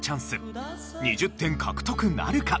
２０点獲得なるか？